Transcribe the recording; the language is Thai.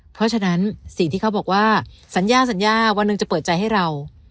เพราะฉะนั้นสิ่งที่เขาบอกว่าสัญญาสัญญาวันหนึ่งจะเปิดใจให้เรา